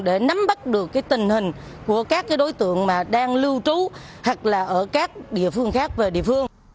để nắm bắt được tình hình của các đối tượng mà đang lưu trú hoặc là ở các địa phương khác về địa phương